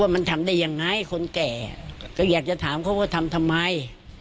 มันทำได้ยังไงคนแก่ก็อยากจะถามเขาว่าทำทำไม